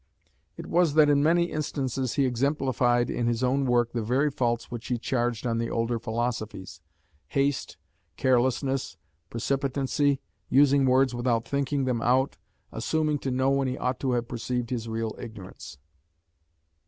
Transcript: It was that in many instances he exemplified in his own work the very faults which he charged on the older philosophies: haste, carelessness, precipitancy, using words without thinking them out, assuming to know when he ought to have perceived his real ignorance.